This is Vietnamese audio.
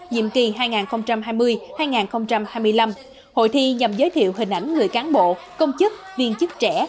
nhiệm kỳ hai nghìn hai mươi hai nghìn hai mươi năm hội thi nhằm giới thiệu hình ảnh người cán bộ công chức viên chức trẻ